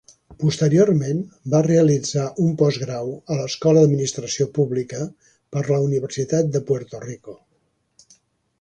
Posteriorment va realitzar un postgrau a l'Escola d'Administració Pública per la Universitat de Puerto Rico.